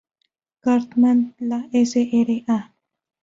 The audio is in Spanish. Cartman, la Sra.